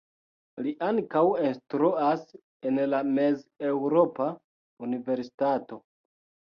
Li ankaŭ instruas en la Mez-Eŭropa Universitato.